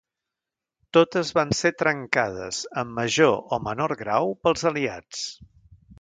Totes van ser trencades en major o menor grau pels aliats.